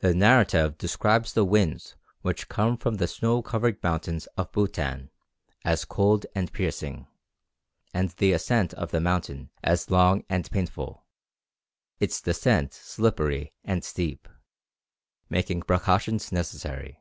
The narrative describes the wind which comes from the snow covered mountains of Bhutan as cold and piercing, and the ascent of the mountain as long and painful, its descent slippery and steep, making precautions necessary.